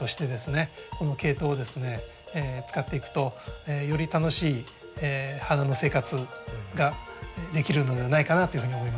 このケイトウを使っていくとより楽しい花の生活ができるのではないかなというふうに思いますね。